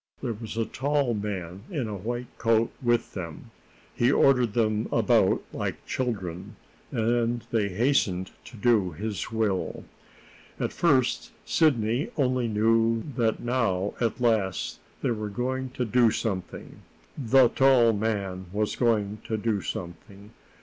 There was a tall man in a white coat with them. He ordered them about like children, and they hastened to do his will. At first Sidney only knew that now, at last, they were going to do something the tall man was going to do something.